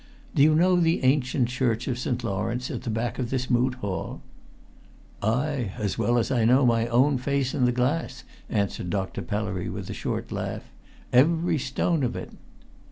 Do you know the ancient church of St. Lawrence at the back of this Moot Hall?" "Ay, as well as I know my own face in the glass!" answered Dr. Pellery with a short laugh. "Every stone of it!"